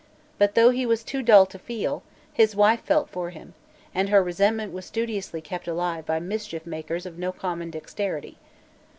But, though he was too dull to feel, his wife felt for him; and her resentment was studiously kept alive by mischiefmakers of no common dexterity.